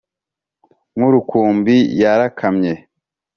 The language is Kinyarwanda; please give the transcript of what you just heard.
nkurukumbi yarakamye